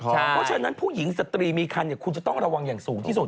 เพราะฉะนั้นผู้หญิงสตรีมีคันคุณจะต้องระวังอย่างสูงที่สุด